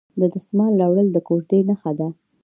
د دسمال راوړل د کوژدې نښه ده.